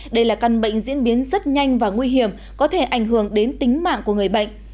đây là căn bệnh diễn biến rất nhanh và nguy hiểm có thể ảnh hưởng đến tính mạng của người bệnh